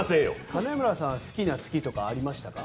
金村さん、好きな月とかありますか？